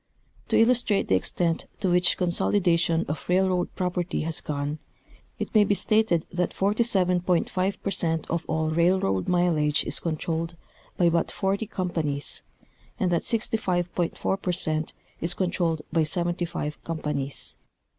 To illustrate the extent to which consolidation of railroad proj) erty has gone, it may be stated that 47.5 per cent of all railroad mileage is controlled by but forty companies,, and that 65.4 per cent is controlled by seventy five companies.